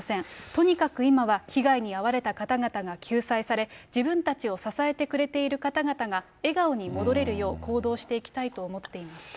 とにかく今は被害に遭われた方々が救済され、自分たちを支えてくれている方々が、笑顔に戻れるよう、行動していきたいと思っていますと。